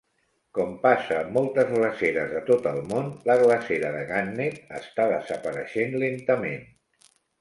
Com passa amb moltes glaceres de tot el món, la glacera de Gannett està desapareixent lentament.